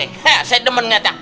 hah sedemen ngata